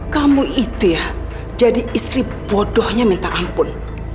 kamu itu ya jadi istri bodohnya minta ampun